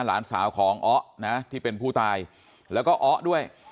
หลานสาวของอ๊ะนะที่เป็นผู้ตายแล้วก็อ๊ด้วย